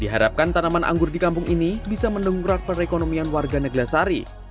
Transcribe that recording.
diharapkan tanaman anggur di kampung ini bisa mendengkrak perekonomian warga neglasari